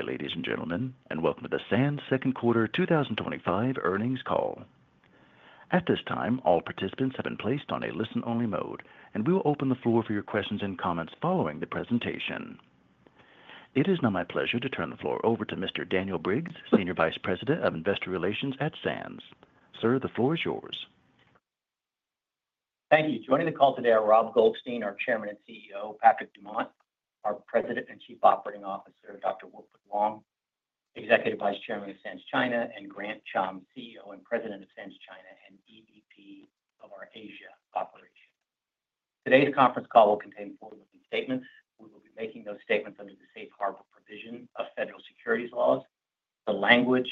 Ladies and gentlemen, and welcome to the Sands Second Quarter 2025 earnings call. At this time, all participants have been placed on a listen-only mode, and we will open the floor for your questions and comments following the presentation. It is now my pleasure to turn the floor over to Mr. Daniel Briggs, Senior Vice President of Investor Relations at Sands. Sir, the floor is yours. Thank you. Joining the call today are Rob Goldstein, our Chairman and CEO; Patrick Dumont, our President and Chief Operating Officer; Dr. Wilfred Wong, Executive Vice Chairman of Sands China; and Grant Chum, CEO and President of Sands China and EVP of our Asia operation. Today's conference call will contain forward-looking statements. We will be making those statements under the Safe Harbor provision of federal securities laws. The language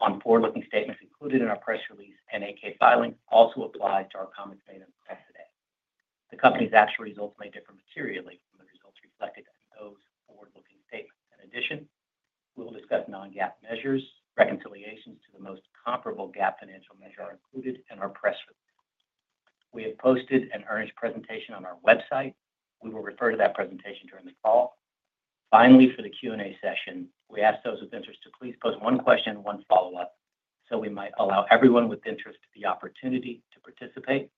on forward-looking statements included in our press release and 8-K filing also applies to our comments made on the press today. The company's actual results may differ materially from the results reflected in those forward-looking statements. In addition, we will discuss non-GAAP measures. Reconciliations to the most comparable GAAP financial measure are included in our press release. We have posted an earnings presentation on our website. We will refer to that presentation during the call. Finally, for the Q&A session, we ask those with interest to please post one question and one follow-up so we might allow everyone with interest the opportunity to participate.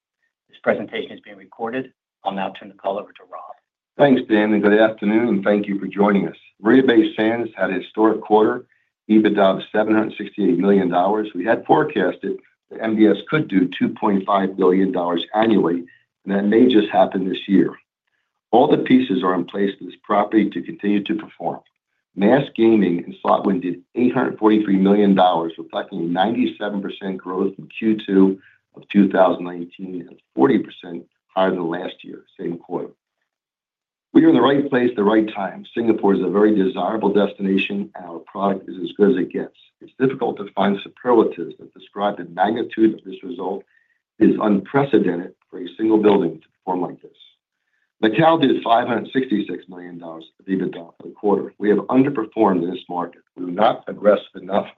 This presentation is being recorded. I'll now turn the call over to Rob. Thanks, Dan. Good afternoon, and thank you for joining us. Marina Bay Sands had a historic quarter, EBITDA of $768 million. We had forecasted that MBS could do $2.5 billion annually, and that may just happen this year. All the pieces are in place for this property to continue to perform. Mass gaming in probably $843 million, reflecting 97% growth in Q2 of 2019 and 40% higher than last year, same quarter. We are in the right place, the right time. Singapore is a very desirable destination, and our product is as good as it gets. It is difficult to find superlatives that describe the magnitude of this result. It is unprecedented for a single building to perform like this. Macau did $566 million of EBITDA for the quarter. We have underperformed in this market. We were not aggressive enough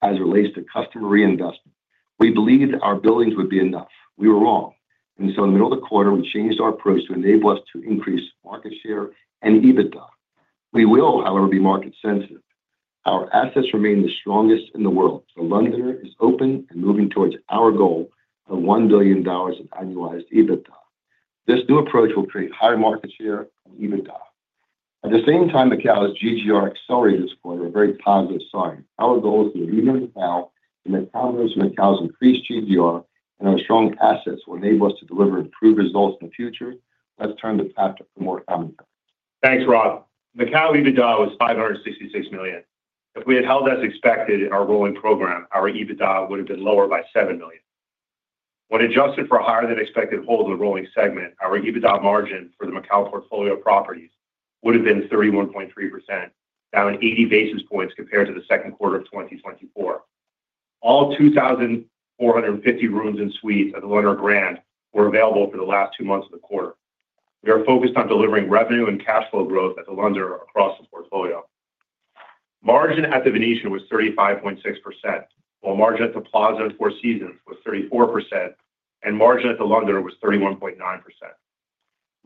as it relates to customer reinvestment. We believed our buildings would be enough. We were wrong. In the middle of the quarter, we changed our approach to enable us to increase market share and EBITDA. We will, however, be market-sensitive. Our assets remain the strongest in the world. The Londoner is open and moving towards our goal of $1 billion of annualized EBITDA. This new approach will create higher market share and EBITDA. At the same time, Macau's GGR accelerated this quarter in a very positive sign. Our goal is to remain Macau, and Macau's increased GGR and our strong assets will enable us to deliver improved results in the future. Let's turn the path to more common cash. Thanks, Rob. Macau EBITDA was $566 million. If we had held as expected in our rolling program, our EBITDA would have been lower by $7 million. When adjusted for a higher-than-expected hold in the rolling segment, our EBITDA margin for the Macau portfolio of properties would have been 31.3%, down 80 basis points compared to the second quarter of 2024. All 2,450 rooms and suites at the Londoner Grand were available for the last two months of the quarter. We are focused on delivering revenue and cash flow growth at the Londoner across the portfolio. Margin at The Venetian was 35.6%, while margin at The Plaza and Four Seasons was 34%, and margin at The Londoner was 31.9%.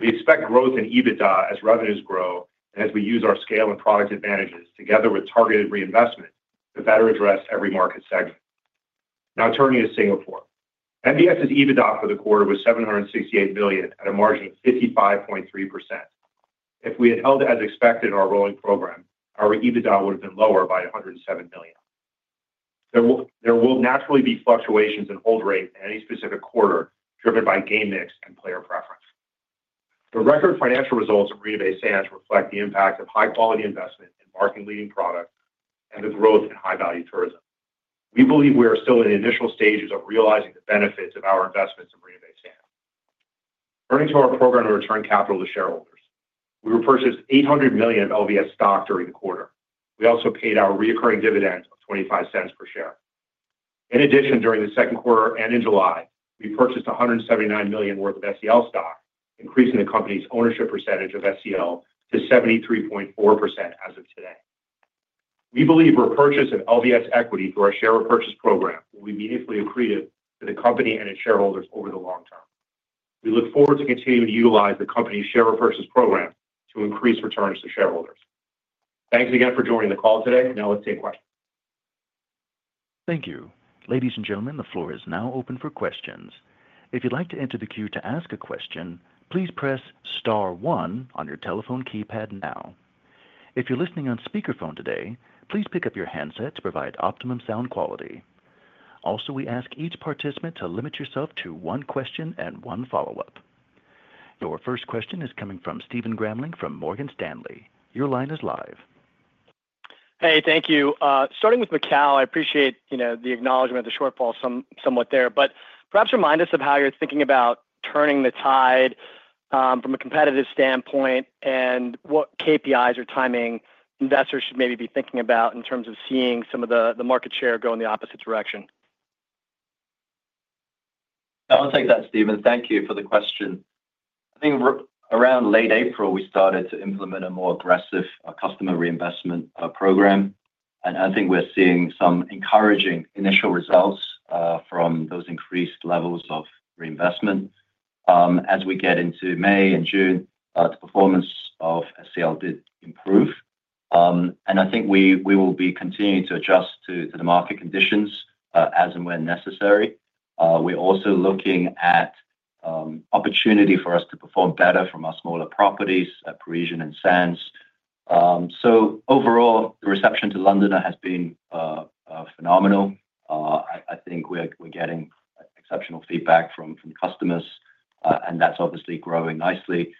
We expect growth in EBITDA as revenues grow and as we use our scale and product advantages together with targeted reinvestment to better address every market segment. Now, turning to Singapore, Marina Bay Sands' EBITDA for the quarter was $768 million at a margin of 55.3%. If we had held as expected in our rolling program, our EBITDA would have been lower by $107 million. There will naturally be fluctuations in hold rate in any specific quarter driven by game mix and player preference. The record financial results of Marina Bay Sands reflect the impact of high-quality investment in market-leading product and the growth in high-value tourism. We believe we are still in the initial stages of realizing the benefits of our investments in Marina Bay Sands. Turning to our program to return capital to shareholders, we purchased $800 million of LVS stock during the quarter. We also paid our recurring dividend of $0.25 per share. In addition, during the second quarter and in July, we purchased $179 million worth of SEL stock, increasing the company's ownership percentage of SEL to 73.4% as of today. We believe our purchase of LVS equity through our share repurchase program will be meaningfully accretive to the company and its shareholders over the long term. We look forward to continuing to utilize the company's share repurchase program to increase returns to shareholders. Thanks again for joining the call today. Now, let's take questions. Thank you. Ladies and gentlemen, the floor is now open for questions. If you'd like to enter the queue to ask a question, please press star one on your telephone keypad now. If you're listening on speakerphone today, please pick up your handset to provide optimum sound quality. Also, we ask each participant to limit yourself to one question and one follow-up. Your first question is coming from Stephen Grambling from Morgan Stanley. Your line is live. Hey, thank you. Starting with Macau, I appreciate the acknowledgment of the shortfall somewhat there, but perhaps remind us of how you're thinking about turning the tide from a competitive standpoint and what KPIs or timing investors should maybe be thinking about in terms of seeing some of the market share go in the opposite direction. I'll take that, Stephen. Thank you for the question. I think around late April, we started to implement a more aggressive customer reinvestment program. I think we're seeing some encouraging initial results from those increased levels of reinvestment. As we get into May and June, the performance of SEL did improve. I think we will be continuing to adjust to the market conditions as and when necessary. We're also looking at opportunity for us to perform better from our smaller properties at The Parisian and Sands. Overall, the reception to The Londoner has been phenomenal. I think we're getting exceptional feedback from customers, and that's obviously growing nicely.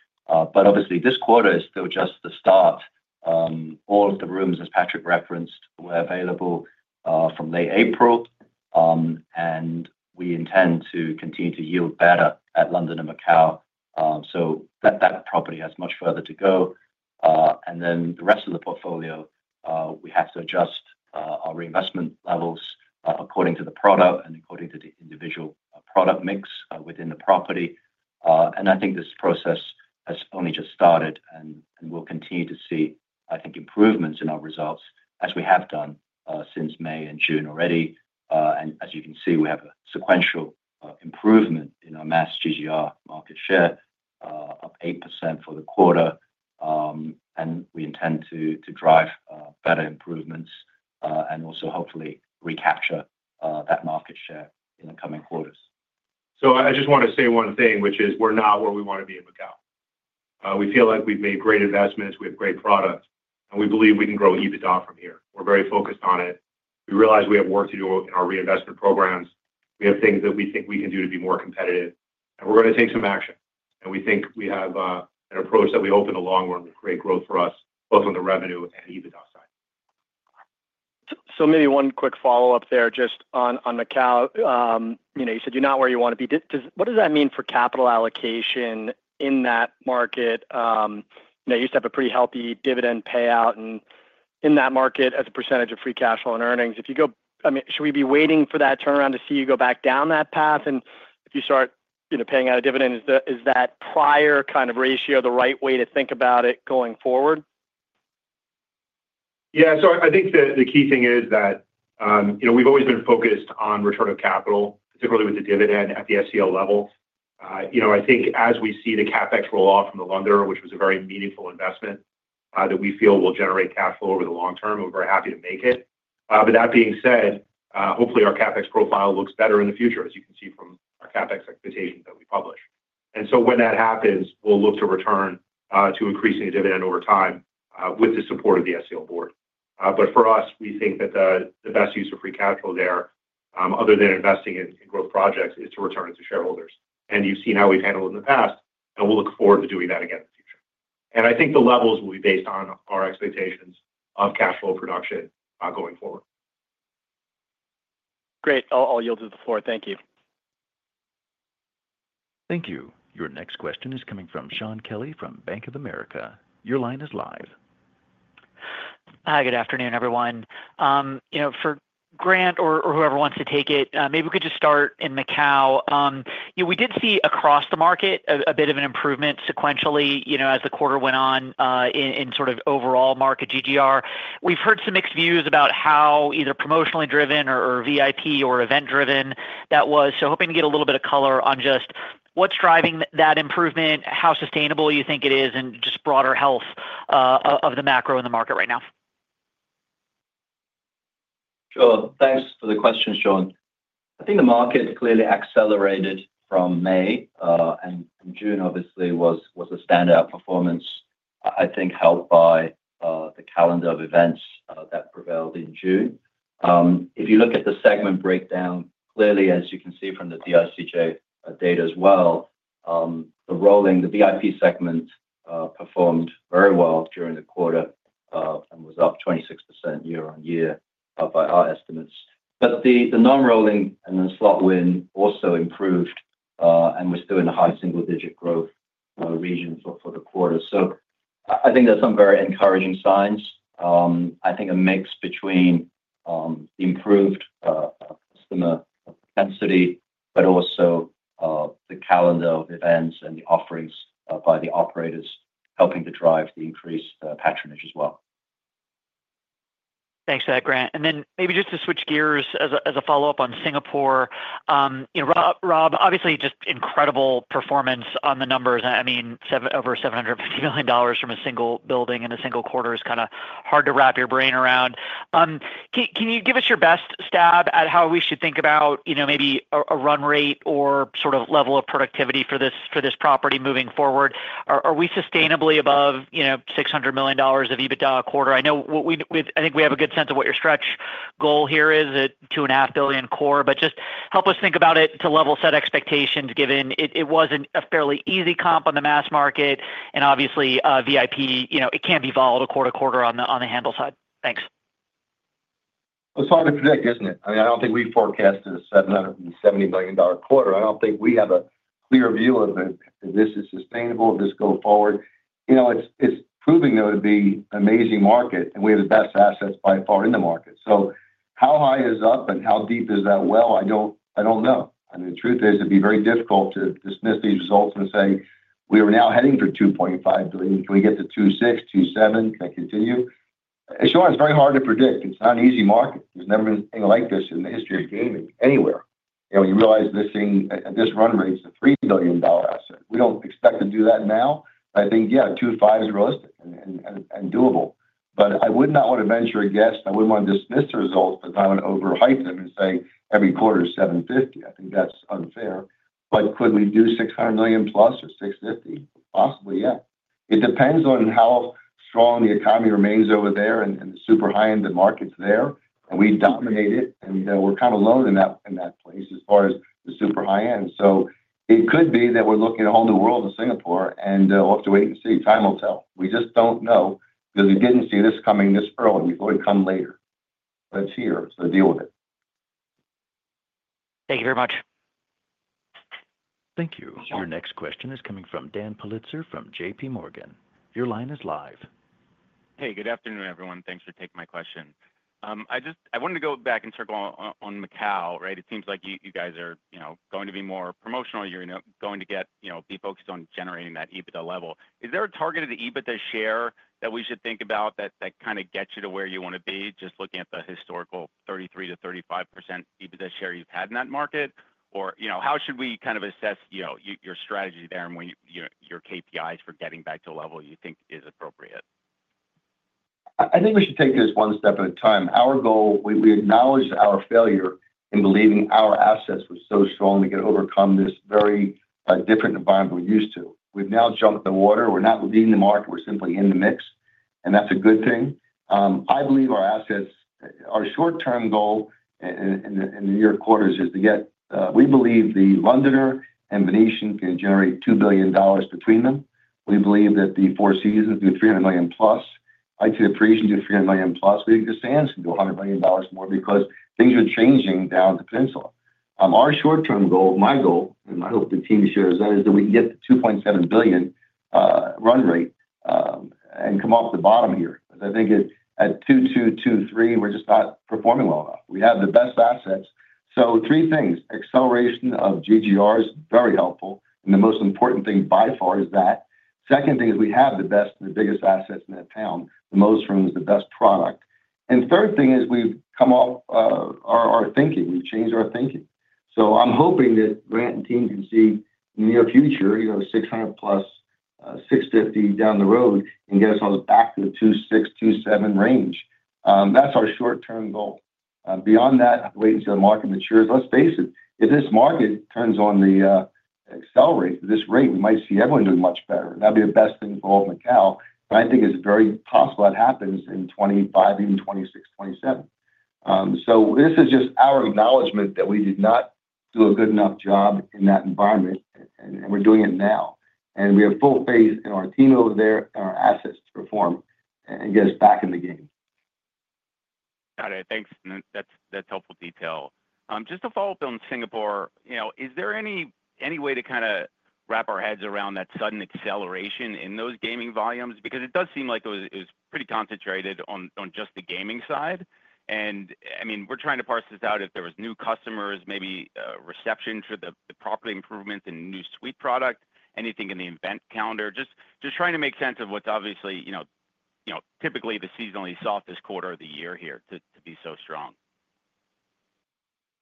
This quarter is still just the start. All of the rooms, as Patrick referenced, were available from late April. We intend to continue to yield better at London and Macau. That property has much further to go. The rest of the portfolio, we have to adjust our reinvestment levels according to the product and according to the individual product mix within the property. I think this process has only just started and will continue to see, I think, improvements in our results as we have done since May and June already. As you can see, we have a sequential improvement in our mass GGR market share of 8% for the quarter. We intend to drive better improvements and also hopefully recapture that market share in the coming quarters. I just want to say one thing, which is we're not where we want to be in Macau. We feel like we've made great investments. We have great product. And we believe we can grow EBITDA from here. We're very focused on it. We realize we have work to do in our reinvestment programs. We have things that we think we can do to be more competitive. And we're going to take some action. And we think we have an approach that we hope in the long run will create growth for us, both on the revenue and EBITDA side. Maybe one quick follow-up there, just on Macau. You said you're not where you want to be. What does that mean for capital allocation in that market? You used to have a pretty healthy dividend payout in that market as a percentage of free cash flow and earnings. I mean, should we be waiting for that turnaround to see you go back down that path? If you start paying out a dividend, is that prior kind of ratio the right way to think about it going forward? Yeah. I think the key thing is that we've always been focused on return of capital, particularly with the dividend at the SEL levels. I think as we see the CapEx roll off from The Londoner, which was a very meaningful investment that we feel will generate cash flow over the long-term, we're very happy to make it. That being said, hopefully our CapEx profile looks better in the future, as you can see from our CapEx expectations that we publish. When that happens, we'll look to return to increasing the dividend over time with the support of the SEL board. For us, we think that the best use of free capital there, other than investing in growth projects, is to return it to shareholders. You've seen how we've handled it in the past, and we'll look forward to doing that again in the future. I think the levels will be based on our expectations of cash flow production going forward. Great. I'll yield to the floor. Thank you. Thank you. Your next question is coming from Sean Kelly from Bank of America. Your line is live. Hi, good afternoon, everyone. For Grant or whoever wants to take it, maybe we could just start in Macau. We did see across the market a bit of an improvement sequentially as the quarter went on in sort of overall market GGR. We've heard some mixed views about how either promotionally driven or VIP or event-driven that was. Hoping to get a little bit of color on just what's driving that improvement, how sustainable you think it is, and just broader health of the macro in the market right now. Sure. Thanks for the question, Sean. I think the market clearly accelerated from May. June, obviously, was a standout performance, I think, helped by the calendar of events that prevailed in June. If you look at the segment breakdown, clearly, as you can see from the DICJ data as well, the VIP segment performed very well during the quarter and was up 26% year-on-year by our estimates. The non-rolling and then slot win also improved, and we're still in a high single-digit growth region for the quarter. I think there are some very encouraging signs. I think a mix between the improved customer density, but also the calendar of events and the offerings by the operators helping to drive the increased patronage as well. Thanks for that, Grant. Maybe just to switch gears as a follow-up on Singapore. Rob, obviously, just incredible performance on the numbers. I mean, over $750 million from a single building in a single quarter is kind of hard to wrap your brain around. Can you give us your best stab at how we should think about maybe a run rate or sort of level of productivity for this property moving forward? Are we sustainably above $600 million of EBITDA a quarter? I know I think we have a good sense of what your stretch goal here is at $2.5 billion core, but just help us think about it to level set expectations given it was not a fairly easy comp on the mass market. Obviously, VIP, it can be volatile quarter to quarter on the handle side. Thanks. It's hard to predict, isn't it? I mean, I don't think we forecasted a $770 million quarter. I don't think we have a clear view of if this is sustainable, if this goes forward. It's proving, though, to be an amazing market, and we have the best assets by far in the market. How high is up and how deep is that well? I don't know. I mean, the truth is it'd be very difficult to dismiss these results and say, "We are now heading for $2.5 billion. Can we get to $2.6, $2.7? Can I continue?" As you know, it's very hard to predict. It's not an easy market. There's never been anything like this in the history of gaming anywhere. You realize this run rate is a $3 billion asset. We don't expect to do that now. I think, yeah, $2.5 billion is realistic and doable. I would not want to venture a guess. I wouldn't want to dismiss the results because I don't want to overhype them and say every quarter is $750 million. I think that's unfair. Could we do $600 million plus or $650 million? Possibly, yeah. It depends on how strong the economy remains over there and the super high-end of the markets there. We dominate it, and we're kind of low in that place as far as the super high-end. It could be that we're looking at a whole new world in Singapore, and we'll have to wait and see. Time will tell. We just don't know because we didn't see this coming this early. We thought it would come later. It's here, so deal with it. Thank you very much. Thank you. Your next question is coming from Daniel Politzer from JPMorgan Chase. Your line is live. Hey, good afternoon, everyone. Thanks for taking my question. I wanted to go back and circle on Macau, right? It seems like you guys are going to be more promotional. You're going to be focused on generating that EBITDA level. Is there a targeted EBITDA share that we should think about that kind of gets you to where you want to be, just looking at the historical 33%-35% EBITDA share you've had in that market? Or how should we kind of assess your strategy there and your KPIs for getting back to a level you think is appropriate? I think we should take this one step at a time. Our goal, we acknowledge our failure in believing our assets were so strong to get overcome this very different environment we're used to. We've now jumped the water. We're not leading the market. We're simply in the mix. And that's a good thing. I believe our assets, our short-term goal in the near quarters is to get we believe The Londoner and The Venetian can generate $2 billion between them. We believe that the Four Seasons do $300 million plus. I'd say The Parisian do $300 million plus. We think the Sands can do $100 million more because things are changing down at the peninsula. Our short-term goal, my goal, and I hope the team shares that, is that we can get the $2.7 billion run rate and come off the bottom here. Because I think at $222, $223, we're just not performing well enough. We have the best assets. So three things. Acceleration of GGR is very helpful. And the most important thing by far is that. Second thing is we have the best and the biggest assets in that town, the most rooms, the best product. And third thing is we've come off our thinking. We've changed our thinking. So I'm hoping that Grant and team can see in the near future, you know, $600 million plus, $650 million down the road, and get us all back to the $2.6 billion-$2.7 billion range. That's our short-term goal. Beyond that, I have to wait and see how the market matures. Let's face it, if this market turns on the accelerate, this rate, we might see everyone doing much better. That'd be the best thing for all of Macau. But I think it's very possible that happens in 2025, even 2026, 2027. So this is just our acknowledgment that we did not do a good enough job in that environment, and we're doing it now. And we have full faith in our team over there and our assets to perform and get us back in the game. Got it. Thanks. That's helpful detail. Just to follow up on Singapore, is there any way to kind of wrap our heads around that sudden acceleration in those gaming volumes? Because it does seem like it was pretty concentrated on just the gaming side. I mean, we're trying to parse this out if there were new customers, maybe reception for the property improvements and new suite product, anything in the event calendar. Just trying to make sense of what's obviously typically the seasonally softest quarter of the year here to be so strong.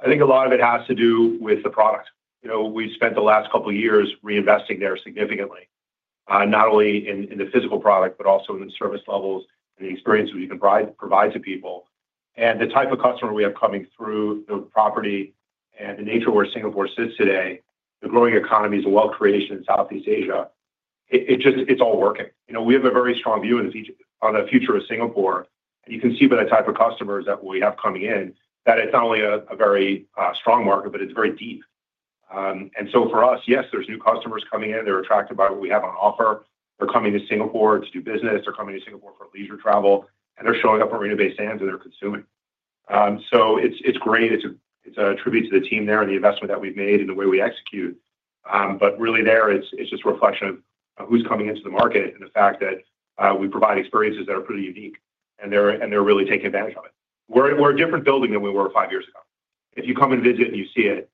I think a lot of it has to do with the product. We've spent the last couple of years reinvesting there significantly, not only in the physical product, but also in the service levels and the experience we can provide to people. The type of customer we have coming through the property and the nature where Singapore sits today, the growing economies, the wealth creation in Southeast Asia, it's all working. We have a very strong view on the future of Singapore. You can see by the type of customers that we have coming in that it's not only a very strong market, but it's very deep. For us, yes, there's new customers coming in. They're attracted by what we have on offer. They're coming to Singapore to do business. They're coming to Singapore for leisure travel. They're showing up at Marina Bay Sands and they're consuming. It's great. It's a tribute to the team there and the investment that we've made and the way we execute. Really there, it's just a reflection of who's coming into the market and the fact that we provide experiences that are pretty unique. They're really taking advantage of it. We're a different building than we were five years ago. If you come and visit and you see it,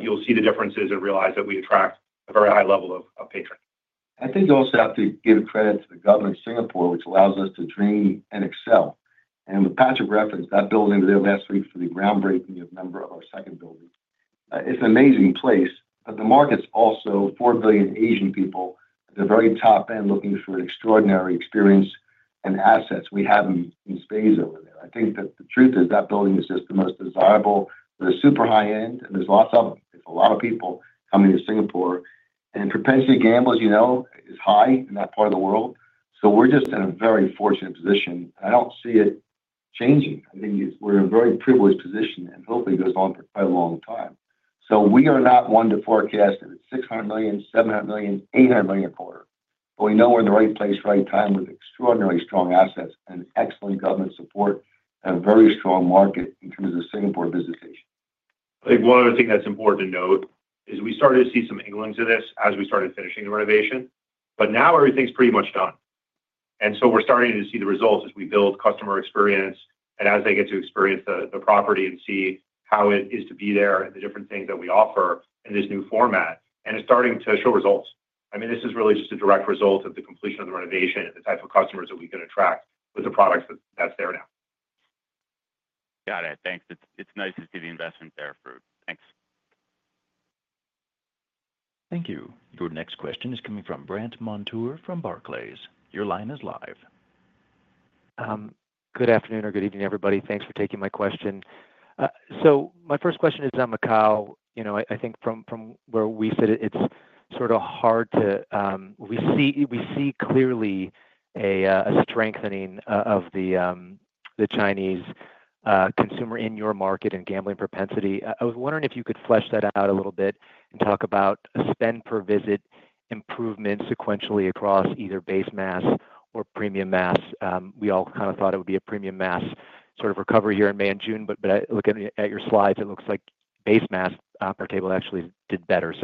you'll see the differences and realize that we attract a very high level of patron. I think you also have to give credit to the government of Singapore, which allows us to dream and excel. With Patrick referenced that building there last week for the groundbreaking of a member of our second building. It's an amazing place, but the market's also 4 billion Asian people at the very top end looking for an extraordinary experience and assets. We have them in spades over there. I think that the truth is that building is just the most desirable. There's super high-end, and there's lots of them. There's a lot of people coming to Singapore. Propensity to gamble, as you know, is high in that part of the world. We are just in a very fortunate position. I don't see it changing. I think we're in a very privileged position, and hopefully it goes on for quite a long time. We are not one to forecast if it's $600 million, $700 million, $800 million a quarter. We know we're in the right place, right time with extraordinarily strong assets and excellent government support and a very strong market in terms of Singapore visitation. I think one other thing that's important to note is we started to see some inklings of this as we started finishing the renovation. Now everything's pretty much done. We are starting to see the results as we build customer experience and as they get to experience the property and see how it is to be there and the different things that we offer in this new format. It's starting to show results. I mean, this is really just a direct result of the completion of the renovation and the type of customers that we can attract with the products that's there now. Got it. Thanks. It's nice to see the investment there. Thanks. Thank you. Your next question is coming from Brandt Montour from Barclays. Your line is live. Good afternoon or good evening, everybody. Thanks for taking my question. My first question is on Macau. I think from where we sit, it's sort of hard to. We see clearly a strengthening of the Chinese consumer in your market and gambling propensity. I was wondering if you could flesh that out a little bit and talk about a spend-per-visit improvement sequentially across either base mass or premium mass. We all kind of thought it would be a premium mass sort of recovery here in May and June, but looking at your slides, it looks like base mass per table actually did better.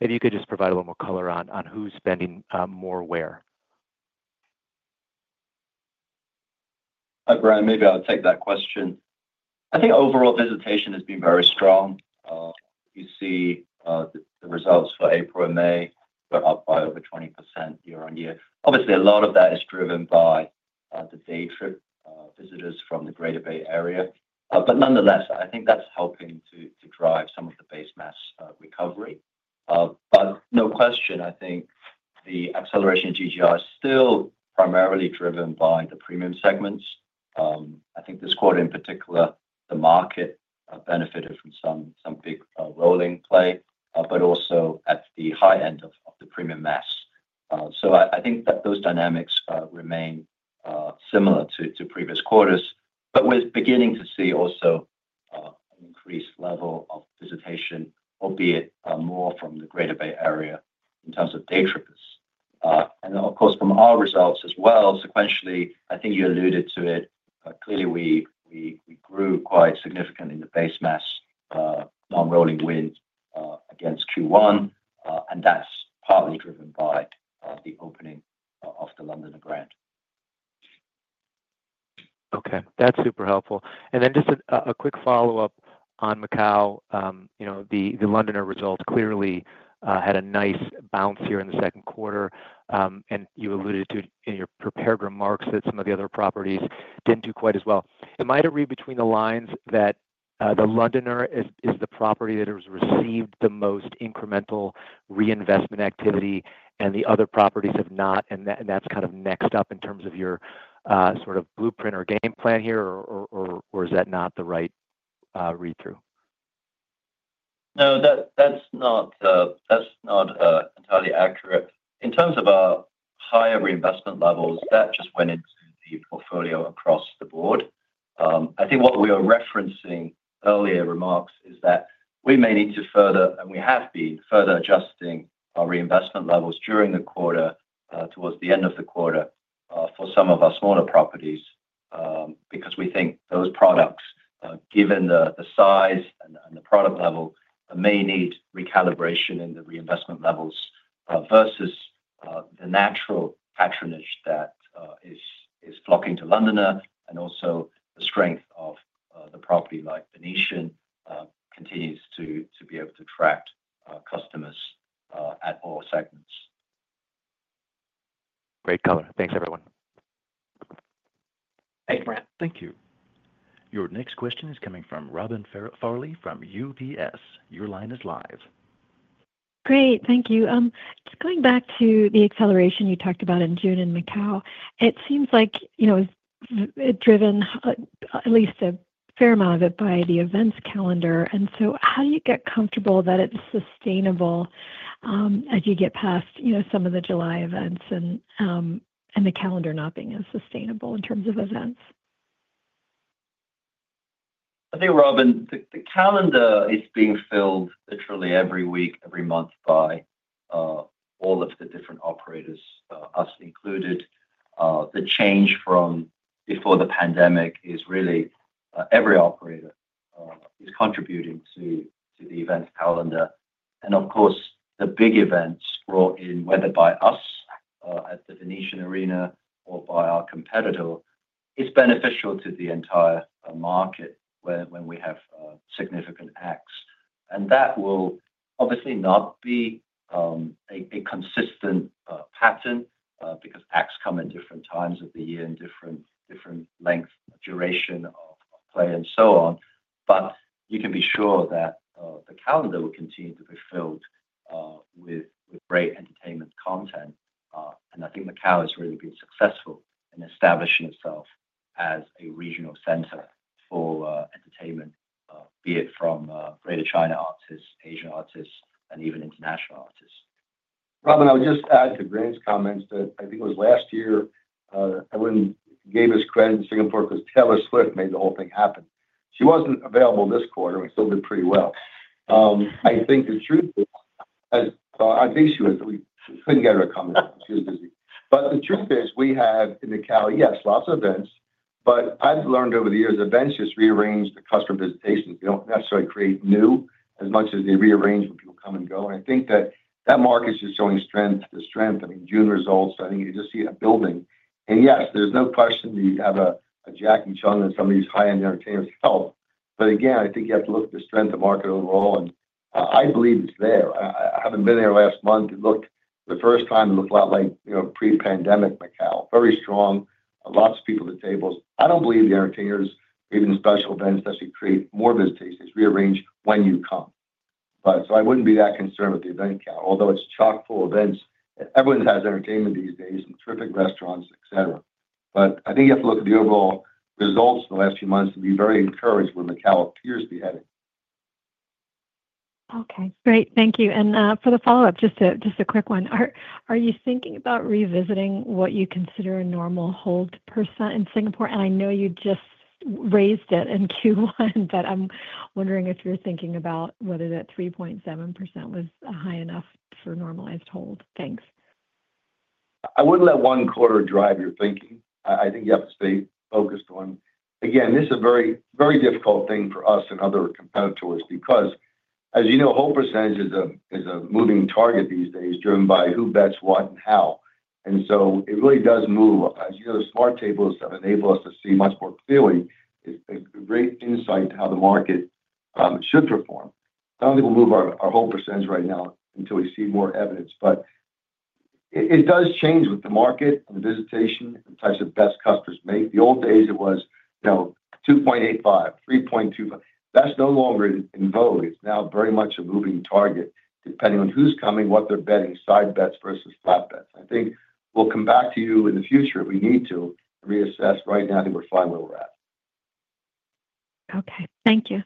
Maybe you could just provide a little more color on who's spending more where. Hi, Grant. Maybe I'll take that question. I think overall visitation has been very strong. You see the results for April and May go up by over 20% year-on-year. Obviously, a lot of that is driven by the day trip visitors from the Greater Bay Area. Nonetheless, I think that's helping to drive some of the base mass recovery. No question, I think the acceleration of GGR is still primarily driven by the premium segments. I think this quarter in particular, the market benefited from some big rolling play, but also at the high end of the premium mass. I think that those dynamics remain, similar to previous quarters. We're beginning to see also an increased level of visitation, a bit more from the Greater Bay Area in terms of day trips. Of course, from our results as well, sequentially, I think you alluded to it. Clearly, we grew quite significantly in the base mass non-rolling win against Q1. That's partly driven by the opening of the Londoner Grand. Okay. That's super helpful. And then just a quick follow-up on Macau. The Londoner results clearly had a nice bounce here in the second quarter. And you alluded to it in your prepared remarks that some of the other properties did not do quite as well. Am I to read between the lines that The Londoner is the property that has received the most incremental reinvestment activity and the other properties have not? And that's kind of next up in terms of your sort of blueprint or game plan here, or is that not the right read-through? No, that's not entirely accurate. In terms of our higher reinvestment levels, that just went into the portfolio across the board. I think what we were referencing in earlier remarks is that we may need to further, and we have been further adjusting our reinvestment levels during the quarter towards the end of the quarter for some of our smaller properties. Because we think those products, given the size and the product level, may need recalibration in the reinvestment levels versus the natural patronage that is flocking to The Londoner and also the strength of a property like The Venetian. Continues to be able to attract customers at all segments. Great color. Thanks, everyone. Thanks, Grant. Thank you. Your next question is coming from Robin Farley from UBS. Your line is live. Great. Thank you. Just going back to the acceleration you talked about in June in Macau, it seems like it's driven, at least a fair amount of it, by the events calendar. How do you get comfortable that it's sustainable as you get past some of the July events and the calendar not being as sustainable in terms of events? I think, Robin, the calendar is being filled literally every week, every month by all of the different operators, us included. The change from before the pandemic is really every operator is contributing to the events calendar. Of course, the big events brought in, whether by us at The Venetian Arena or by our competitor, it is beneficial to the entire market when we have significant acts. That will obviously not be a consistent pattern because acts come at different times of the year and different length, duration of play and so on. You can be sure that the calendar will continue to be filled with great entertainment content. I think Macau has really been successful in establishing itself as a regional center for entertainment, be it from Greater China artists, Asian artists, and even international artists. Robin, I would just add to Grant's comments that I think it was last year. I would not give us credit in Singapore because Taylor Swift made the whole thing happen. She was not available this quarter, but still did pretty well. I think the truth is, I think she was. We could not get her to come in. She was busy. The truth is we have in Macau, yes, lots of events. I have learned over the years events just rearrange the customer visitations. They do not necessarily create new as much as they rearrange when people come and go. I think that market is just showing strength. I mean, June results, I think you just see a building. Yes, there is no question you have a Jacky Cheung and some of these high-end entertainers help. Again, I think you have to look at the strength of the market overall. I believe it is there. I have not been there last month. The first time it looked a lot like pre-pandemic Macau. Very strong. Lots of people at the tables. I don't believe the entertainers, even special events, actually create more visitations, just rearrange when you come. I would not be that concerned with the event count, although it is chock-full of events. Everyone has entertainment these days and terrific restaurants, etc. I think you have to look at the overall results in the last few months and be very encouraged where Macau appears to be headed. Okay. Great. Thank you. For the follow-up, just a quick one. Are you thinking about revisiting what you consider a normal hold percent in Singapore? I know you just raised it in Q1, but I'm wondering if you're thinking about whether that 3.7% was high enough for normalized hold. Thanks. I wouldn't let one quarter drive your thinking. I think you have to stay focused on. Again, this is a very difficult thing for us and other competitors because, as you know, hold percentage is a moving target these days driven by who bets what and how. It really does move. As you know, the smart tables have enabled us to see much more clearly. It's a great insight to how the market should perform. I don't think we'll move our hold percentage right now until we see more evidence. It does change with the market and the visitation and the types of bets customers made. The old days it was 2.85%, 3.25%. That's no longer in vogue. It's now very much a moving target, depending on who's coming, what they're betting, side bets versus flat bets. I think we'll come back to you in the future if we need to reassess. Right now, I think we're fine where we're at. Okay. Thank you.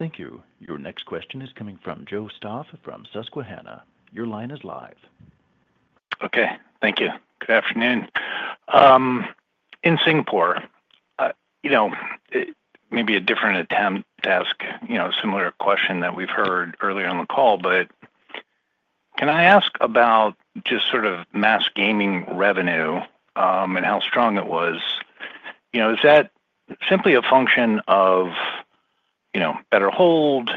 Thank you. Your next question is coming from Joe Stauff from Susquehanna. Your line is live. Okay. Thank you. Good afternoon. In Singapore. Maybe a different attempt to ask a similar question that we've heard earlier on the call, but can I ask about just sort of mass gaming revenue and how strong it was? Is that simply a function of better hold?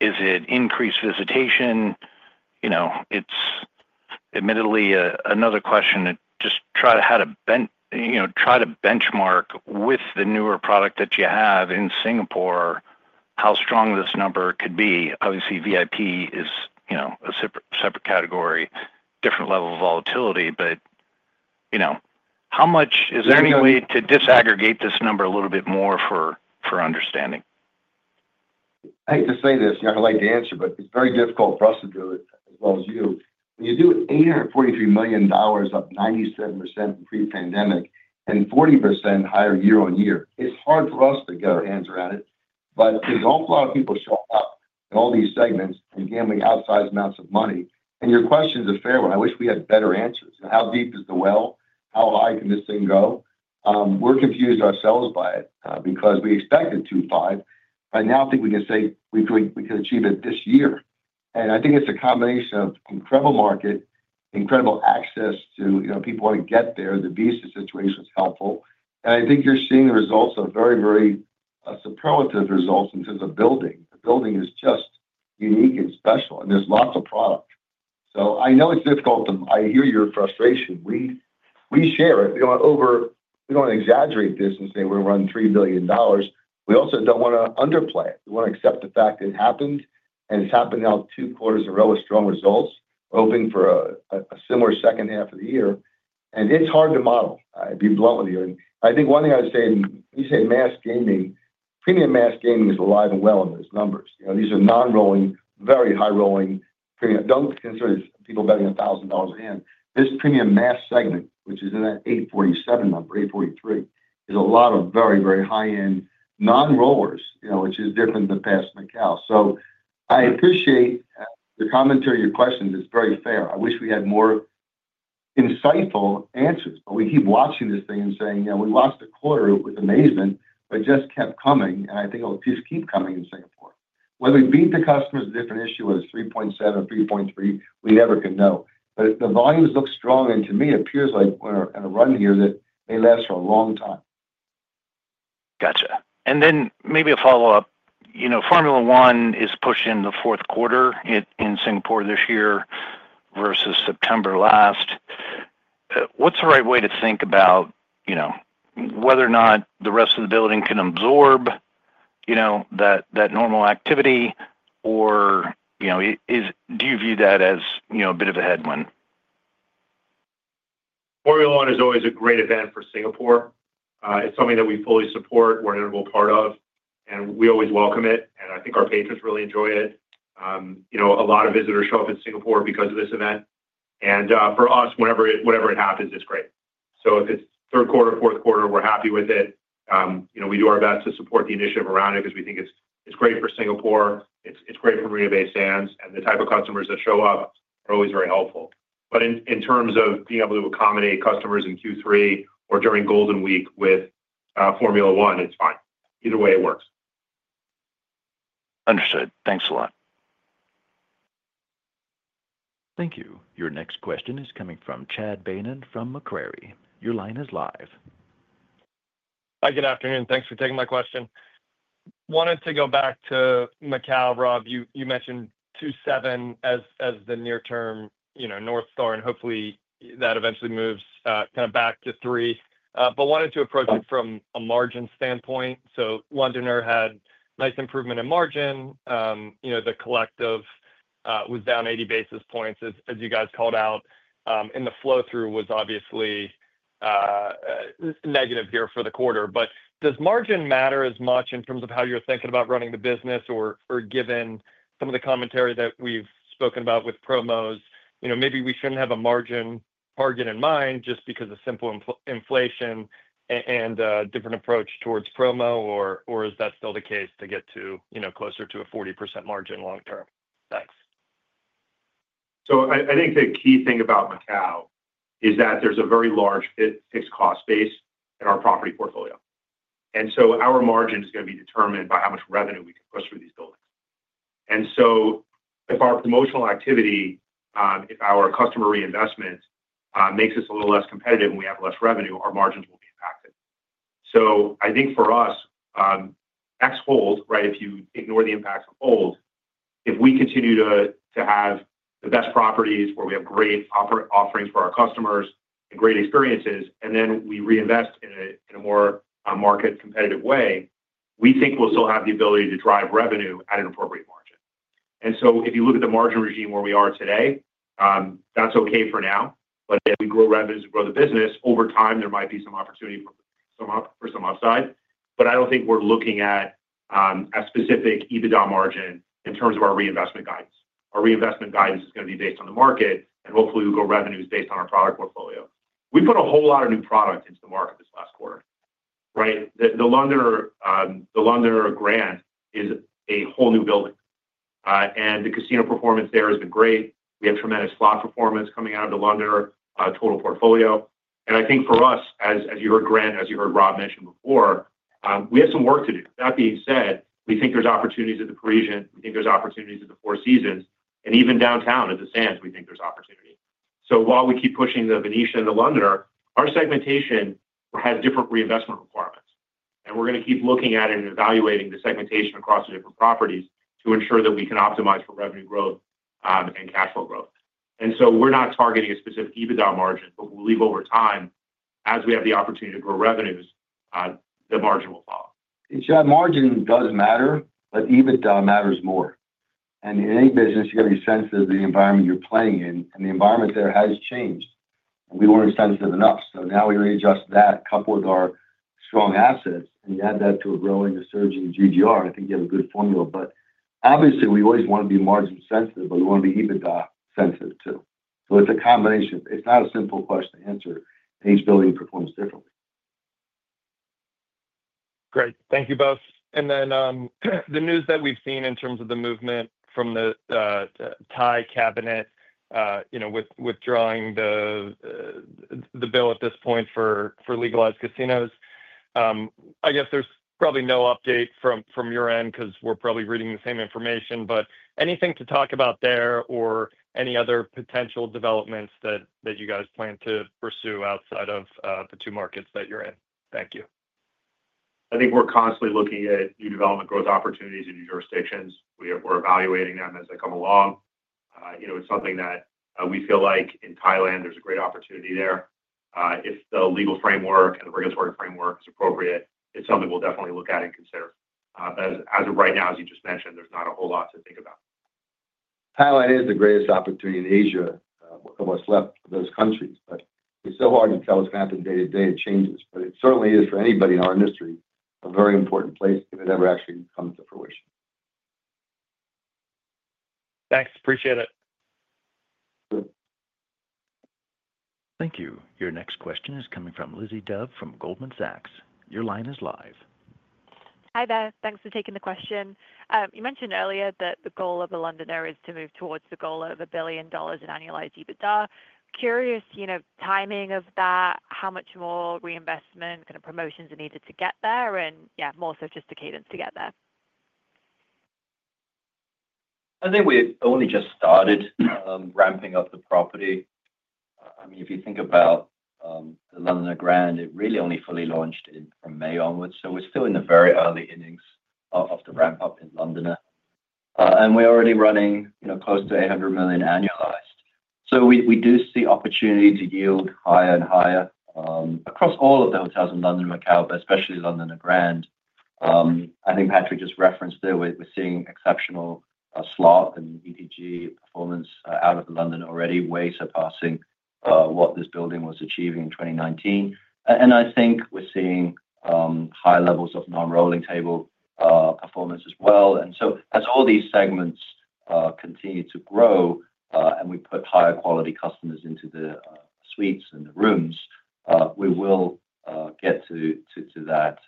Is it increased visitation? It's admittedly another question to just try to benchmark with the newer product that you have in Singapore, how strong this number could be. Obviously, VIP is a separate category, different level of volatility. How much is there any way to disaggregate this number a little bit more for understanding? I hate to say this. You're not going to like the answer, but it's very difficult for us to do it as well as you. When you do $843 million, up 97% in pre-pandemic, and 40% higher year-on-year, it's hard for us to get our hands around it. There is an awful lot of people showing up in all these segments and gambling outsized amounts of money. Your question is a fair one. I wish we had better answers. How deep is the well? How high can this thing go? We're confused ourselves by it because we expected 2.5. Now I think we can say we can achieve it this year. I think it's a combination of incredible market, incredible access to people who want to get there. The visa situation is helpful. I think you're seeing the results of very, very superlative results in terms of building. The building is just unique and special. There is lots of product. I know it's difficult. I hear your frustration. We share it. We don't want to overexaggerate this and say we're running $3 million. We also don't want to underplay it. We want to accept the fact that it happened. It's happened now two quarters in a row with strong results. We're hoping for a similar second half of the year. It's hard to model. I'd be blunt with you. I think one thing I would say, when you say mass gaming, premium mass gaming is alive and well in those numbers. These are non-rolling, very high-rolling. Don't consider people betting $1,000 a hand. This premium mass segment, which is in that 8.47 number, 8.43, is a lot of very, very high-end non-rollers, which is different than past Macau. I appreciate the commentary of your questions. It's very fair. I wish we had more insightful answers. We keep watching this thing and saying, "We watched a quarter with amazement, but it just kept coming." I think it'll just keep coming in Singapore. Whether we beat the customer is a different issue with a 3.7, 3.3. We never can know. The volumes look strong. To me, it appears like we're in a run here that may last for a long time. Gotcha. Maybe a follow-up. Formula One is pushing the fourth quarter in Singapore this year versus September last. What's the right way to think about whether or not the rest of the building can absorb that normal activity? Or do you view that as a bit of a headwind? Formula One is always a great event for Singapore. It's something that we fully support. We're an integral part of. We always welcome it. I think our patrons really enjoy it. A lot of visitors show up in Singapore because of this event. For us, whenever it happens, it's great. If it's third quarter, fourth quarter, we're happy with it. We do our best to support the initiative around it because we think it's great for Singapore. It's great for Marina Bay Sands. The type of customers that show up are always very helpful. In terms of being able to accommodate customers in Q3 or during Golden Week with Formula One, it's fine. Either way, it works. Understood. Thanks a lot. Thank you. Your next question is coming from Chad Beynon from Macquarie. Your line is live. Hi, good afternoon. Thanks for taking my question. Wanted to go back to Metall, Rob. You mentioned 2.7 as the near-term North Star, and hopefully that eventually moves kind of back to 3. Wanted to approach it from a margin standpoint. Londoner had nice improvement in margin. The collective was down 80 basis points, as you guys called out. The flow-through was obviously negative here for the quarter. Does margin matter as much in terms of how you're thinking about running the business, or given some of the commentary that we've spoken about with promos, maybe we should not have a margin target in mind just because of simple inflation and a different approach towards promo, or is that still the case to get closer to a 40% margin long-term? Thanks. I think the key thing about Macau is that there's a very large fixed cost base in our property portfolio. Our margin is going to be determined by how much revenue we can push through these buildings. If our promotional activity, if our customer reinvestment makes us a little less competitive and we have less revenue, our margins will be impacted. I think for us, ex hold, right, if you ignore the impact of hold, if we continue to have the best properties where we have great offerings for our customers and great experiences, and then we reinvest in a more market-competitive way, we think we'll still have the ability to drive revenue at an appropriate margin. If you look at the margin regime where we are today, that's okay for now. As we grow revenues and grow the business over time, there might be some opportunity for some upside. I don't think we're looking at a specific EBITDA margin in terms of our reinvestment guidance. Our reinvestment guidance is going to be based on the market, and hopefully we'll grow revenues based on our product portfolio. We put a whole lot of new product into the market this last quarter, right? The Londoner Grand is a whole new building, and the casino performance there has been great. We have tremendous slot performance coming out of the Londoner total portfolio. I think for us, as you heard Grant, as you heard Rob mention before, we have some work to do. That being said, we think there's opportunities at The Parisian. We think there's opportunities at the Four Seasons. Even downtown at the Sands, we think there's opportunity. While we keep pushing The Venetian and The Londoner, our segmentation has different reinvestment requirements. We're going to keep looking at it and evaluating the segmentation across the different properties to ensure that we can optimize for revenue growth and cash flow growth. We're not targeting a specific EBITDA margin, but over time, as we have the opportunity to grow revenues, the margin will follow. Margin does matter, but EBITDA matters more. In any business, you got to be sensitive to the environment you're playing in. The environment there has changed. We weren't sensitive enough. Now we readjust that, couple with our strong assets, and you add that to a growing and surging GGR. I think you have a good formula. Obviously, we always want to be margin sensitive, but we want to be EBITDA sensitive too. It's a combination. It's not a simple question to answer. Each building performs differently. Great. Thank you both. The news that we've seen in terms of the movement from the Thai cabinet withdrawing the bill at this point for legalized casinos, I guess there's probably no update from your end because we're probably reading the same information. Anything to talk about there or any other potential developments that you guys plan to pursue outside of the two markets that you're in? Thank you. I think we're constantly looking at new development growth opportunities in new jurisdictions. We're evaluating them as they come along. It's something that we feel like in Thailand, there's a great opportunity there. If the legal framework and the regulatory framework is appropriate, it's something we'll definitely look at and consider. As of right now, as you just mentioned, there's not a whole lot to think about. Thailand is the greatest opportunity in Asia of what's left of those countries. It is so hard to tell what's going to happen, day-to-day changes. It certainly is, for anybody in our industry, a very important place if it ever actually comes to fruition. Thanks. Appreciate it. Thank you. Your next question is coming from Lizzie Dove from Goldman Sachs. Your line is live. Hi there. Thanks for taking the question. You mentioned earlier that the goal of The Londoner is to move towards the goal of a billion dollars in annualized EBITDA. Curious timing of that, how much more reinvestment, kind of promotions are needed to get there, and yeah, more sophisticated to get there. I think we've only just started ramping up the property. I mean, if you think about the Londoner Grand, it really only fully launched from May onwards. We are still in the very early innings of the ramp-up in Londoner, and we're already running close to $800 million annualized. We do see opportunity to yield higher and higher across all of the hotels in London and Macau, but especially Londoner Grand. I think Patrick just referenced there, we're seeing exceptional slot and ETG performance out of London already, way surpassing what this building was achieving in 2019. I think we're seeing high levels of non-rolling table performance as well. As all these segments continue to grow and we put higher quality customers into the suites and the rooms, we will get to that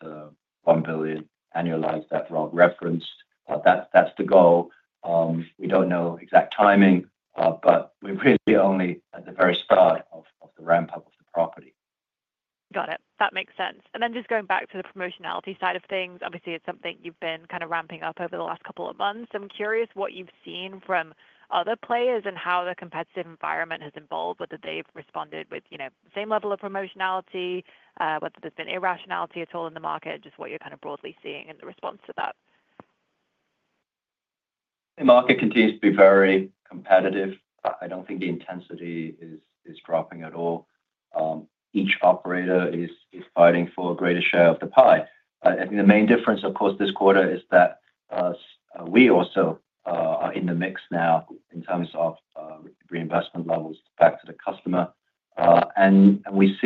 $1 billion annualized that Rob referenced. That's the goal. We don't know exact timing, but we're really only at the very start of the ramp-up of the property. Got it. That makes sense. Just going back to the promotionality side of things, obviously, it's something you've been kind of ramping up over the last couple of months. I'm curious what you've seen from other players and how the competitive environment has evolved, whether they've responded with the same level of promotionality, whether there's been irrationality at all in the market, just what you're kind of broadly seeing in the response to that. The market continues to be very competitive. I don't think the intensity is dropping at all. Each operator is fighting for a greater share of the pie. I think the main difference, of course, this quarter is that we also are in the mix now in terms of reinvestment levels back to the customer. We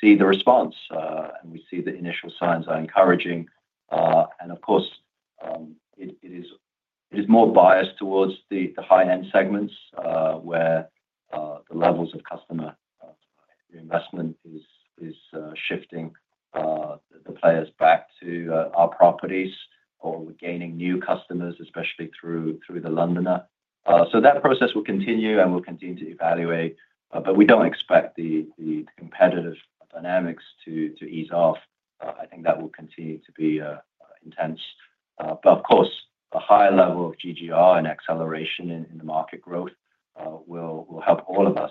see the response, and we see the initial signs are encouraging. Of course, it is more biased towards the high-end segments where the levels of customer reinvestment are shifting the players back to our properties or gaining new customers, especially through The Londoner. That process will continue and we'll continue to evaluate. We don't expect the competitive dynamics to ease off. I think that will continue to be intense. Of course, a higher level of GGR and acceleration in the market growth will help all of us,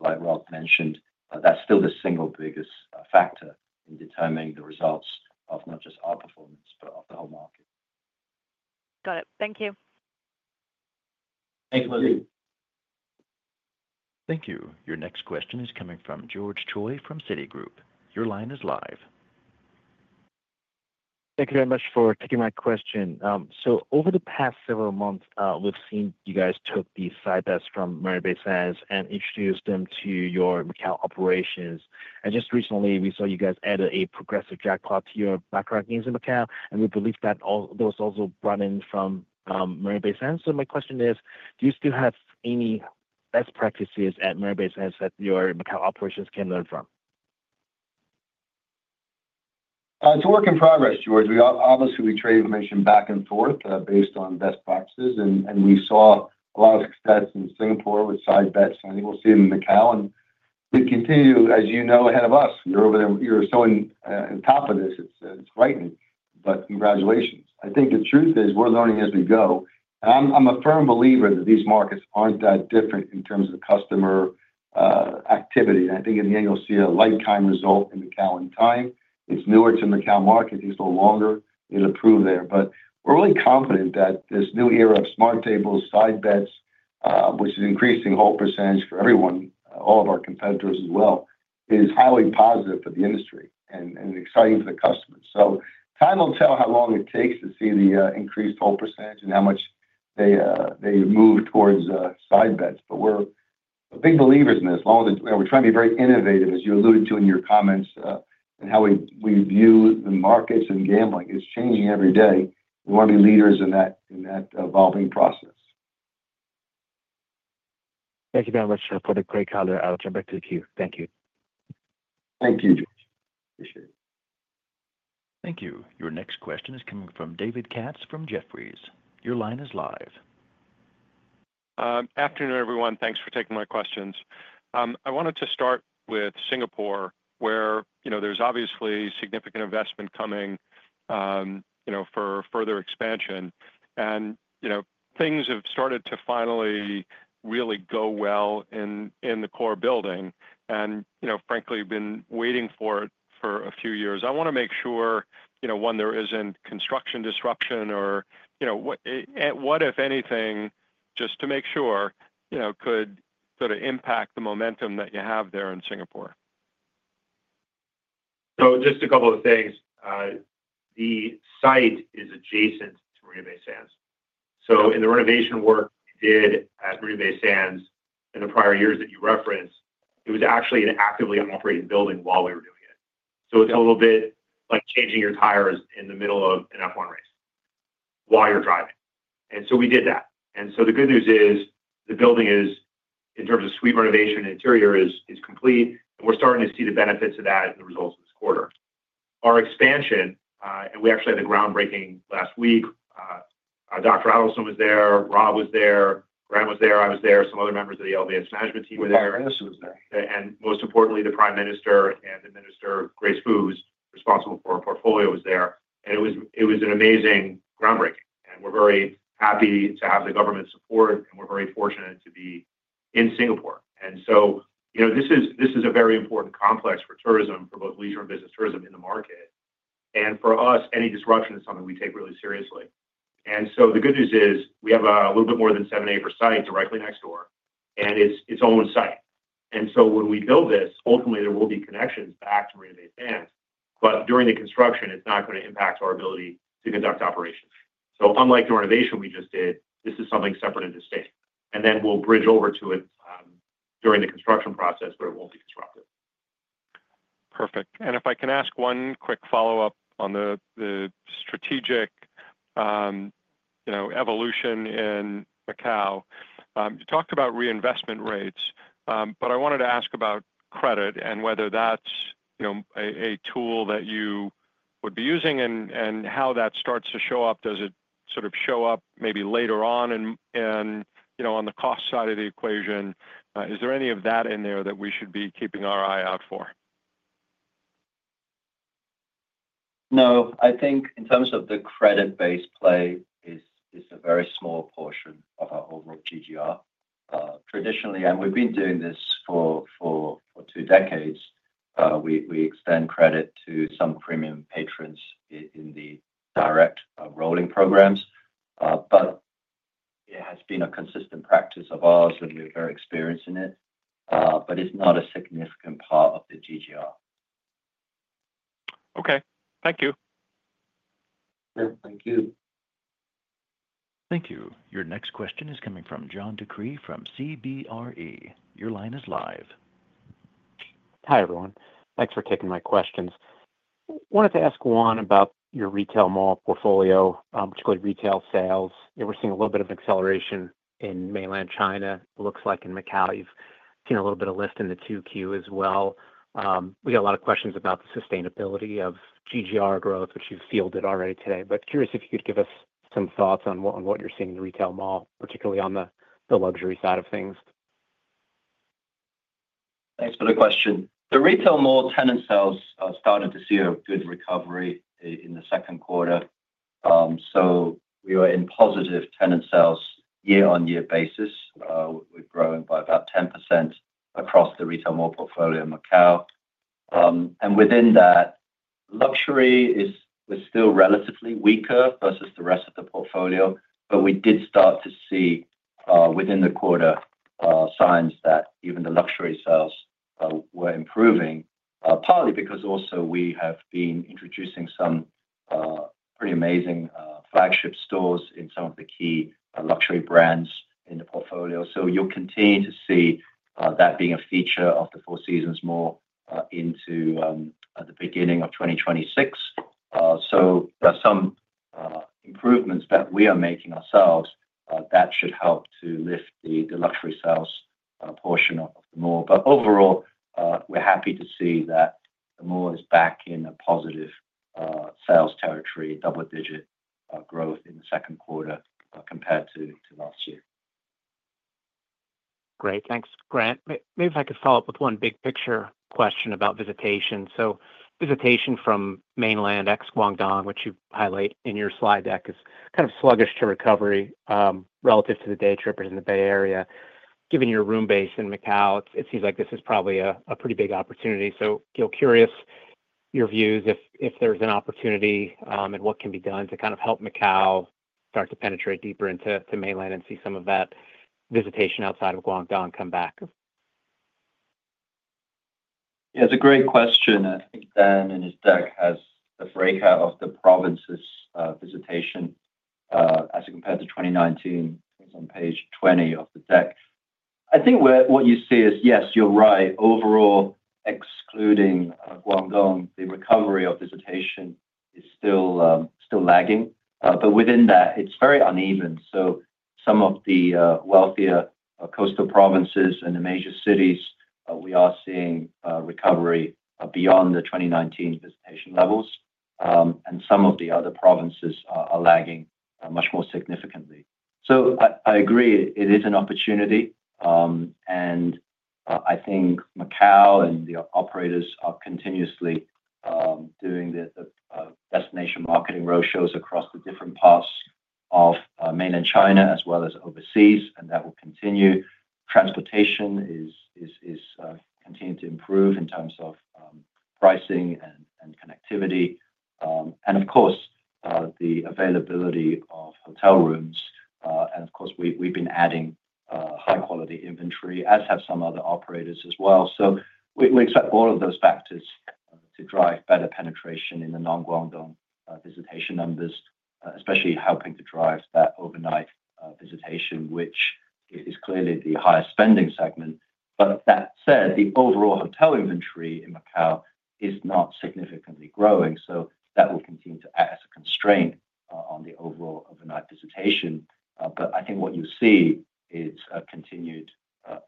like Rob mentioned. That's still the single biggest factor in determining the results of not just our performance, but of the whole market. Got it. Thank you. Thank you, Lizzie. Thank you. Your next question is coming from George Choi from Citigroup. Your line is live. Thank you very much for taking my question. Over the past several months, we've seen you guys took the side-bets from Marina Bay Sands and introduced them to your Macau operations. Just recently, we saw you guys added a progressive jackpot to your baccarat games in Macau, and we believe that there was also run-in from Marina Bay Sands. My question is, do you still have any best practices at Marina Bay Sands that your Macau operations can learn from? It's a work in progress, George. Obviously, we trade information back and forth based on best practices. We saw a lot of success in Singapore with side-bets. I think we'll see it in Macau. We continue, as you know, ahead of us. You're selling on top of this. It's frightening. Congratulations. I think the truth is we're learning as we go. I'm a firm believer that these markets aren't that different in terms of customer activity. I think in the end, you'll see a lifetime result in Macau in time. It's newer to the Macau market. It's no longer it'll prove there. We're really confident that this new era of smart tables, side-bets, which is increasing hold percentage for everyone, all of our competitors as well, is highly positive for the industry and exciting for the customers. Time will tell how long it takes to see the increased hold percentage and how much they move towards side-bets. We're big believers in this. We're trying to be very innovative, as you alluded to in your comments, in how we view the markets and gambling. It's changing every day. We want to be leaders in that evolving process. Thank you very much for the great color. I'll turn back to you. Thank you. Thank you, George. Appreciate it. Thank you. Your next question is coming from David Katz from Jefferies. Your line is live. Afternoon, everyone. Thanks for taking my questions. I wanted to start with Singapore, where there's obviously significant investment coming for further expansion. Things have started to finally really go well in the core building. Frankly, we've been waiting for it for a few years. I want to make sure, one, there isn't construction disruption or what, if anything, just to make sure, could sort of impact the momentum that you have there in Singapore? Just a couple of things. The site is adjacent to Marina Bay Sands. In the renovation work we did at Marina Bay Sands in the prior years that you referenced, it was actually an actively operating building while we were doing it. It is a little bit like changing your tires in the middle of an F1 race while you are driving. We did that. The good news is the building is, in terms of suite renovation, interior is complete. We are starting to see the benefits of that and the results of this quarter. Our expansion, and we actually had a groundbreaking last week. Dr. Adelson was there. Rob was there. Grant was there. I was there. Some other members of the LVS management team were there. Most importantly, the Prime Minister and the Minister, Grace Fu, responsible for our portfolio, was there. It was an amazing groundbreaking. We are very happy to have the government support, and we are very fortunate to be in Singapore. This is a very important complex for tourism, for both leisure and business tourism in the market. For us, any disruption is something we take really seriously. The good news is we have a little bit more than seven, eight per site directly next door. It is its own site. When we build this, ultimately, there will be connections back to Marina Bay Sands. During the construction, it is not going to impact our ability to conduct operations. Unlike the renovation we just did, this is something separate and distinct. We will bridge over to it during the construction process, but it will not be disruptive. Perfect. If I can ask one quick follow-up on the strategic evolution in Macau, you talked about reinvestment rates, but I wanted to ask about credit and whether that's a tool that you would be using and how that starts to show up. Does it sort of show up maybe later on and on the cost side of the equation? Is there any of that in there that we should be keeping our eye out for? No. I think in terms of the credit-based play, it's a very small portion of our overall GGR. Traditionally, and we've been doing this for two decades, we extend credit to some premium patrons in the direct rolling programs. It has been a consistent practice of ours, and we're very experienced in it. It's not a significant part of the GGR. Okay. Thank you. Thank you. Thank you. Your next question is coming from John DeCree from CBRE. Your line is live. Hi everyone. Thanks for taking my questions. I wanted to ask one about your retail mall portfolio, particularly retail sales. We're seeing a little bit of an acceleration in Mainland China, looks like in Macau. You've seen a little bit of lift in the 2Q as well. We got a lot of questions about the sustainability of GGR growth, which you've fielded already today. Curious if you could give us some thoughts on what you're seeing in the retail mall, particularly on the luxury side of things. Thanks for the question. The retail mall tenant sales started to see a good recovery in the second quarter. We were in positive tenant sales year-on-year basis. We're growing by about 10% across the retail mall portfolio in Macau. Within that, luxury is still relatively weaker versus the rest of the portfolio, but we did start to see within the quarter signs that even the luxury sales were improving, partly because also we have been introducing some pretty amazing flagship stores in some of the key luxury brands in the portfolio. You'll continue to see that being a feature of the Four Seasons Mall into the beginning of 2026. There are some improvements that we are making ourselves that should help to lift the luxury sales portion of the mall. Overall, we're happy to see that the mall is back in a positive sales territory, double-digit growth in the second quarter compared to last year. Great. Thanks, Grant. Maybe if I could follow up with one big picture question about visitation. Visitation from mainland ex-Guangdong, which you highlight in your slide deck, is kind of sluggish to recovery relative to the day trippers in the Bay Area. Given your room base in Macau, it seems like this is probably a pretty big opportunity. Curious your views if there's an opportunity and what can be done to help Macau start to penetrate deeper into mainland and see some of that visitation outside of Guangdong come back. Yeah, it's a great question. I think Dan in his deck has the breakout of the provinces' visitation. As compared to 2019, it's on page 20 of the deck. I think what you see is, yes, you're right. Overall, excluding Guangdong, the recovery of visitation is still lagging. But within that, it's very uneven. Some of the wealthier coastal provinces and the major cities, we are seeing recovery beyond the 2019 visitation levels. Some of the other provinces are lagging much more significantly. I agree, it is an opportunity. I think Macau and the operators are continuously doing the destination marketing roadshows across the different parts of Mainland China as well as overseas, and that will continue. Transportation is continuing to improve in terms of pricing and connectivity. Of course, the availability of hotel rooms. Of course, we've been adding high-quality inventory, as have some other operators as well. We expect all of those factors to drive better penetration in the non-Guangdong visitation numbers, especially helping to drive that overnight visitation, which is clearly the highest spending segment. That said, the overall hotel inventory in Macau is not significantly growing. That will continue to act as a constraint on the overall overnight visitation. I think what you see is a continued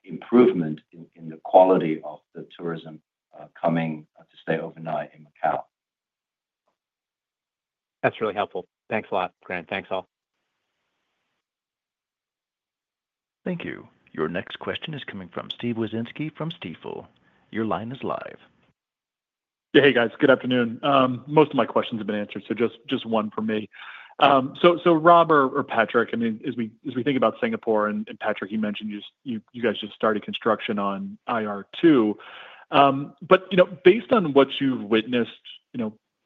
improvement in the quality of the tourism coming to stay overnight in Macau. That's really helpful. Thanks a lot, Grant. Thanks, all. Thank you. Your next question is coming from Steve Wieczynski from Stifel. Your line is live. Yeah, hey guys, good afternoon. Most of my questions have been answered, so just one for me. Rob or Patrick, I mean, as we think about Singapore, and Patrick, you mentioned you guys just started construction on IR2. Based on what you've witnessed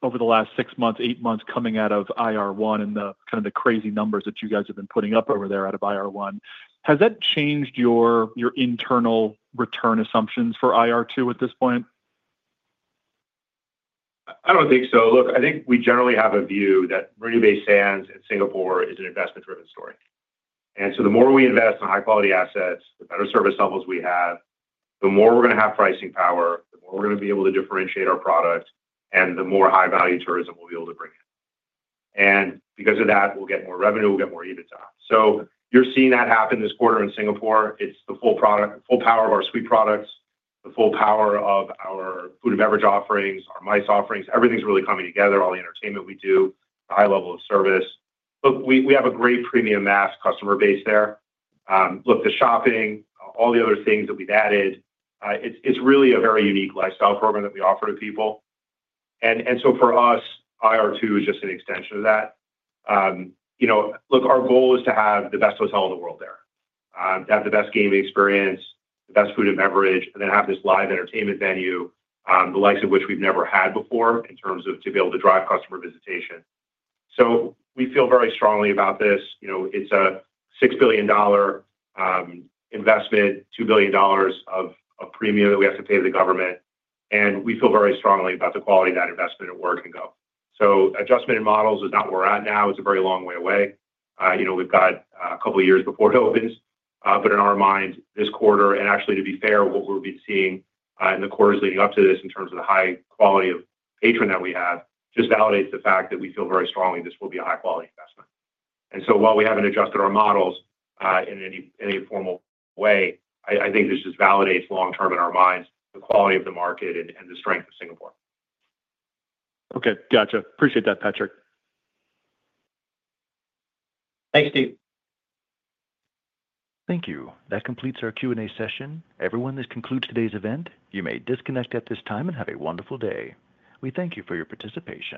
over the last six months, eight months coming out of IR1 and the kind of crazy numbers that you guys have been putting up over there out of IR1, has that changed your internal return assumptions for IR2 at this point? I don't think so. Look, I think we generally have a view that Marina Bay Sands and Singapore is an investment-driven story. The more we invest in high-quality assets, the better service levels we have, the more we're going to have pricing power, the more we're going to be able to differentiate our product, and the more high-value tourism we'll be able to bring in. Because of that, we'll get more revenue, we'll get more EBITDA. You're seeing that happen this quarter in Singapore. It's the full power of our suite products, the full power of our food and beverage offerings, our MICE offerings. Everything's really coming together, all the entertainment we do, the high level of service. We have a great premium mass customer base there. The shopping, all the other things that we've added, it's really a very unique lifestyle program that we offer to people. For us, IR2 is just an extension of that. Our goal is to have the best hotel in the world there, to have the best gaming experience, the best food and beverage, and then have this live entertainment venue, the likes of which we've never had before in terms of being able to drive customer visitation. We feel very strongly about this. It's a $6 billion investment, $2 billion of premium that we have to pay to the government. We feel very strongly about the quality of that investment at where it can go. Adjustment in models is not where we're at now. It's a very long way away. We've got a couple of years before it opens. In our mind, this quarter, and actually, to be fair, what we've been seeing in the quarters leading up to this in terms of the high quality of patron that we have just validates the fact that we feel very strongly this will be a high-quality investment. While we haven't adjusted our models in any formal way, I think this just validates long-term in our minds the quality of the market and the strength of Singapore. Okay. Gotcha. Appreciate that, Patrick. Thanks, Steve. Thank you. That completes our Q&A session. Everyone, this concludes today's event. You may disconnect at this time and have a wonderful day. We thank you for your participation.